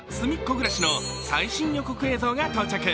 ぐらし」の最新予告映像が到着。